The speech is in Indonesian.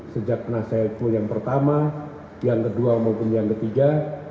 sejak penasihat hukum yang pertama yang kedua maupun yang ketiga